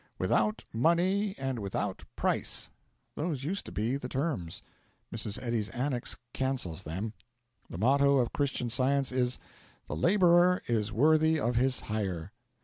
'Without money and without price.' Those used to be the terms. Mrs. Eddy's Annex cancels them. The motto of Christian Science is 'The labourer is worthy of his hire.'